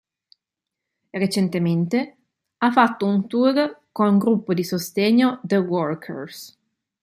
Recentemente, ha fatto un tour con gruppo di sostegno "The Workers".